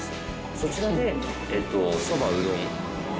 そちらでそばうどん。